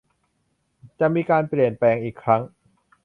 จะมีการเปลี่ยนแปลงอีกครั้ง